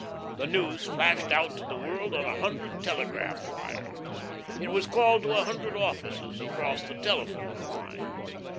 The news flashed out to the world on a hundred telegraph wires; it was called to a hundred offices across the telephone lines.